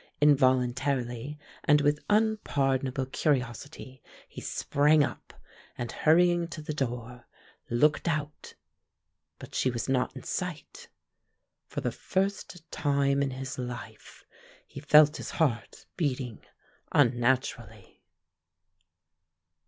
Involuntarily and with unpardonable curiosity he sprang up and, hurrying to the door, looked out, but she was not in sight. For the first time in his life, he felt his heart beating unnaturally.